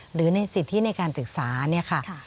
หรือในสิทธิในการศึกษาเนี่ยค่ะ